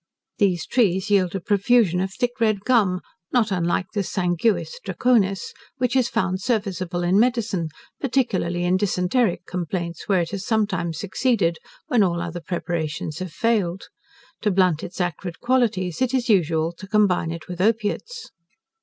These trees yield a profusion of thick red gum (not unlike the 'sanguis draconis') which is found serviceable in medicine, particularly in dysenteric complaints, where it has sometimes succeeded, when all other preparations have failed. To blunt its acrid qualities, it is usual to combine it with opiates.